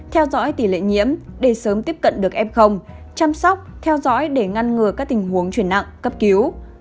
theo dõi tỷ lệ nhiễm để sớm tiếp cận được f chăm sóc theo dõi để ngăn ngừa các tình huống chuyển nặng cấp cứu